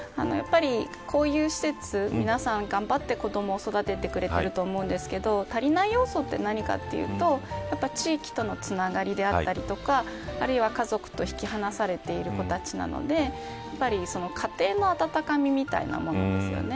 こういう施設では皆さん頑張って子どもを育ててくれていると思いますが足りない要素というと地域とのつながりであったりあるいは家族と引き離されている子たちなので家庭の温かみみたいなものですよね。